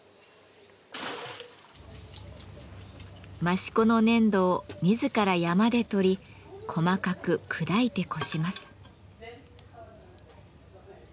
益子の粘土を自ら山で取り細かく砕いてこします。